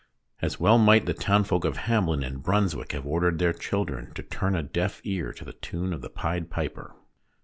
As well might the townsfolk of Hamelin, in Brunswick, have ordered their children to turn a deaf ear to the tune of the Pied Piper.